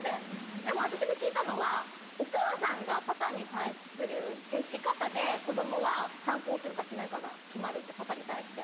でも私が聞いたのはお母さんがパパに対する接し方で子供は反抗するかしないかが決まるってパパに対して。